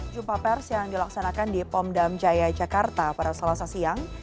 jumpa pers yang dilaksanakan di pondam jaya jakarta pada selasa siang